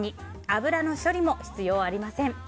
油の処理も必要ありません。